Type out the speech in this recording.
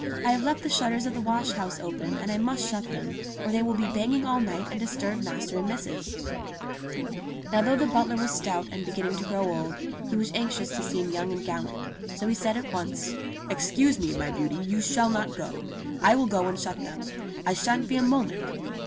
I have left the shutters of the wash house open, and I must shut them, or they will be banging all night and disturb master and missus !'* Now though the butler was stout and beginning to grow old, he was anxious to seem young and gallant ; so he said at once : "Excuse me, my beauty, you shall not go. I will go and shut them. I shan't be a moment